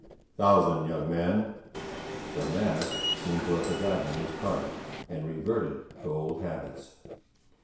"Thousand, young man!" The mask seemed to have forgotten his part and reverted to old habits.